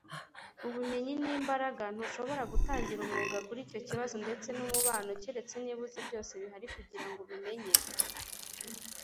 ubumenyi ni imbaraga. ntushobora gutangira umwuga, kuri icyo kibazo ndetse n'umubano, keretse niba uzi byose bihari kugira ngo ubimenye